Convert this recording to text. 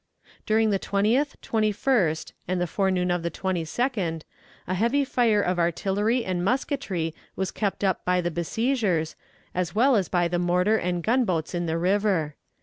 During the 20th, 21st, and the forenoon of the 22d, a heavy fire of artillery and musketry was kept up by the besiegers, as well as by the mortar and gun boats in the river.